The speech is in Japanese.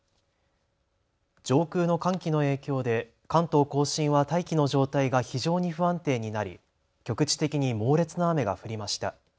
上空の寒気の影響で関東甲信は大気の状態が非常に不安定になり局地的に猛烈な雨が降りました。